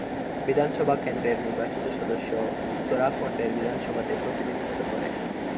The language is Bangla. বিধানসভা কেন্দ্রের নির্বাচিত সদস্য উত্তরাখণ্ডের বিধানসভাতে প্রতিনিধিত্ব করে।